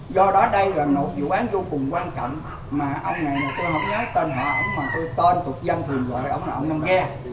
do đó đây là một vụ án vô cùng quan trọng mà ông này là tôi không nhớ tên họ mà tôi tên tục dân thường gọi là ông nông ghe